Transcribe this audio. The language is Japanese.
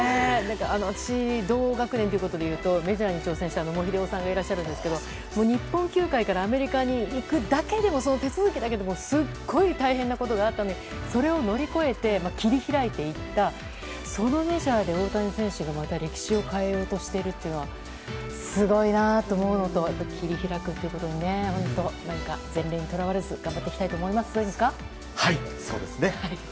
私、同学年ということで言うとメジャーに挑戦した野茂英雄さんがいるんですが日本球界からアメリカに行く手続きだけでもすごい大変なことがあったのにそれを乗り越えて切り開いていったそのメジャーで大谷選手がまた歴史を変えようとしているのがすごいだと思うのと切り開くということは本当に前例にとらわれず私もそう思います。